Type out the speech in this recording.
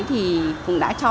thì cũng đã cho